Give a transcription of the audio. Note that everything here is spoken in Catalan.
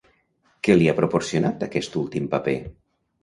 Què li ha proporcionat aquest últim paper?